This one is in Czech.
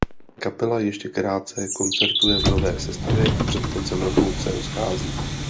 Kapela ještě krátce koncertuje v nové sestavě a před koncem roku se rozchází.